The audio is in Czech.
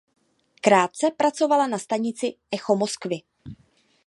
Krátce pracovala na stanici Echo Moskvy.